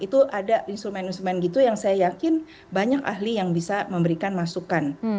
itu ada instrumen instrumen gitu yang saya yakin banyak ahli yang bisa memberikan masukan